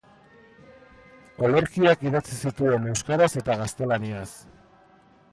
Olerkiak idatzi zituen euskaraz eta gaztelaniaz.